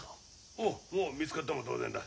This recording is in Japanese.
おおもう見つかったも同然だ。